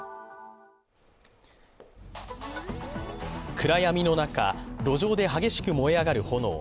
暗闇の中、路上で激しく燃え上がる炎。